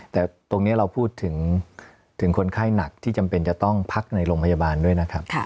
แต่ตรงนี้เราพูดถึงคนไข้หนักที่จำเป็นจะต้องพักในโรงพยาบาลด้วยนะครับ